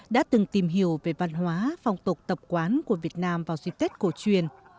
đã từng tìm hiểu về văn hóa phong tục tập quán của việt nam vào dịp tết cổ truyền